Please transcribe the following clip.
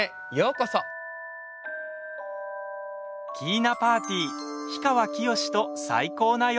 「Ｋｉｉｎａパーティー氷川きよしと最高な夜」。